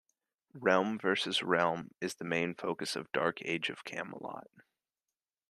Realm versus Realm is the main focus of Dark Age of Camelot.